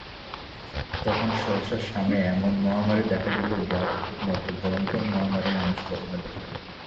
তখন সহসা শামে এমন মহামারী দেখা দিল যার মত ভয়ংকর মহামারী মানুষ কখনো দেখেনি।